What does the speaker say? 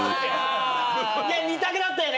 いや２択だったよね。